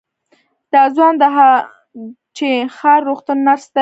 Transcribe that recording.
دا ځوان د هه چه ښار روغتون نرس دی.